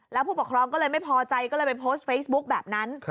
แล้วผู้ปกครองก็เลยไม่พอใจก็เลยไปโพสต์เฟซบุ๊กแบบนั้น